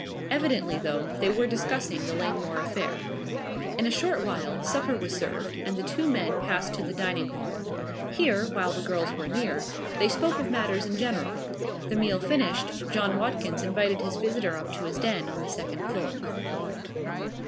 Evidently though, they were discussing the Langmore affair. In a short while supper was served and the two men passed to the dining hall. Here, while the girls were near, they spoke of matters in general. The meal finished, John Watkins invited his visitor up to his den on the second floor.